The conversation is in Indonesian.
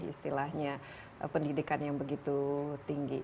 istilahnya pendidikan yang begitu tinggi